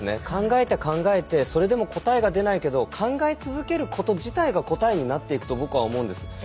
考えて、考えてそれでも答えが出ないけど考え続けること自体が答えになっていくと僕は思うんです。